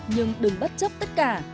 nhưng đừng bất chấp tất cả